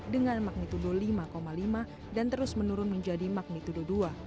dengan magnitudo lima lima dan terus menurun menjadi magnitudo dua